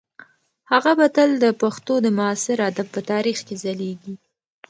هغه به تل د پښتو د معاصر ادب په تاریخ کې ځلیږي.